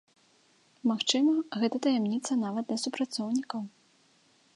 Магчыма, гэта таямніца нават для супрацоўнікаў.